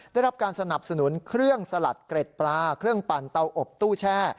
ได้รับการสนับสนุนเครื่องสลัดเกร็ดปลาเครื่องปั่นเตาอบตู้แช่